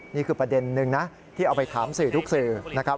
นี่คือประเด็นนึงนะที่เอาไปถามสื่อทุกสื่อนะครับ